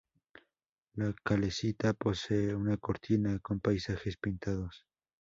La calesita posee una cortina con paisajes pintados.